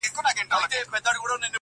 ته به د غم يو لوى بيابان سې گرانــــــي~